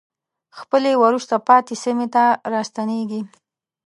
خپلې وروسته پاتې سیمې ته راستنېږي.